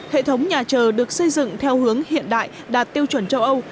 hệ thống nhà chờ được xây dựng theo hướng hiện đại đạt tiêu chuẩn châu âu